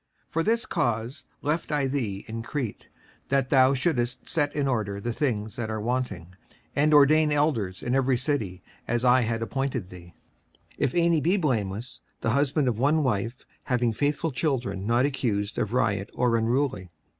56:001:005 For this cause left I thee in Crete, that thou shouldest set in order the things that are wanting, and ordain elders in every city, as I had appointed thee: 56:001:006 If any be blameless, the husband of one wife, having faithful children not accused of riot or unruly.